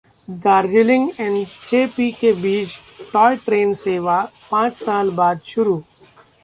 दार्जिलिंग-एनजेपी के बीच toy train सेवा पांच साल बाद शुरू